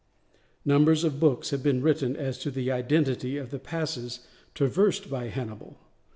Numbers of books have been written as to the identity of the passes traversed by Hannibal.